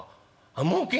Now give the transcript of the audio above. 「あもうけ？